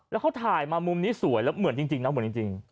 แล้วเขาถ่ายมามุมนี้สวยแล้วเหมือนจริงนะเหมือนจริง